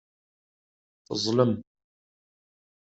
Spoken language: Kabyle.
Teẓẓlem.